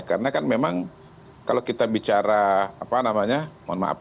karena kan memang kalau kita bicara apa namanya mohon maaf